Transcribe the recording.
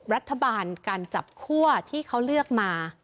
รัฐบาลการจับคั่วที่เขาเลือกมา